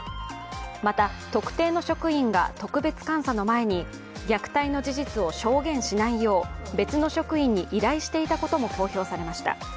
また、特定の職員が特別監査の前に虐待の事実を証言しないよう、別の職員に依頼していたことも公表されました。